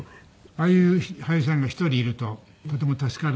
ああいう俳優さんが１人いるととても助かるんですよね。